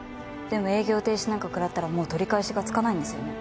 でも営業停止なんか食らったらもう取り返しがつかないんですよね？